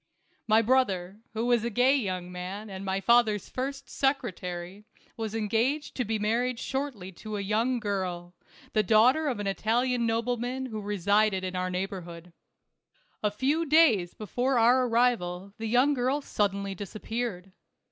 My brother, who was a gay young man and my father's first secretary, was engaged to be married THE CAB A VAN. 227 shortly to a young girl, the daughter of an Italian nobleman who resided in our neighborhood. A few days before our arrival the young girl suddenly disappeared.